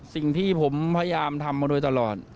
สิ่งที่ผมพยายามทำมาโดยตลอด